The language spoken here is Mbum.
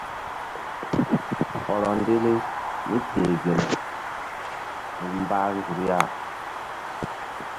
Hɔrɔ ndele míteh gelay vul mbah nzuk ya.